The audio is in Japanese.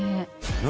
何？